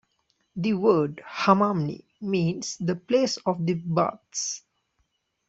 The word "Hamamni" means "the place of the baths".